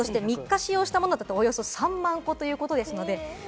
３日使用したものだと、およそ３万個ということです。